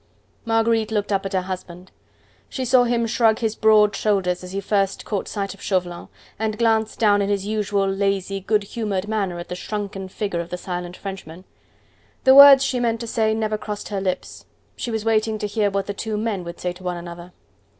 Marguerite looked up at her husband. She saw him shrug his broad shoulders as he first caught sight of Chauvelin, and glance down in his usual lazy, good humoured manner at the shrunken figure of the silent Frenchman. The words she meant to say never crossed her lips; she was waiting to hear what the two men would say to one another.